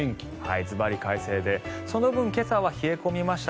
ずばり快晴でその分、今朝は冷え込みました。